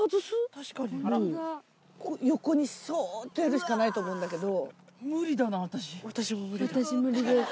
横にそっとやるしかないと思うんだけど。